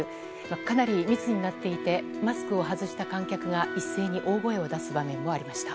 かなり密になっていてマスクを外した観客が一斉に大声を出す場面もありました。